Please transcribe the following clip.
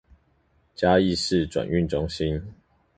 嘉義市轉運中心